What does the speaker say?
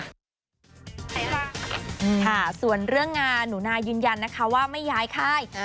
ค่ะส่วนเรื่องงานหนูนายืนยันนะคะว่าไม่ย้ายค่าย